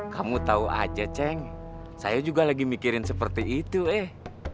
kamu tahu aja ceng saya juga lagi mikirin seperti itu eh